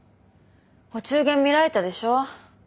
お中元見られたでしょ？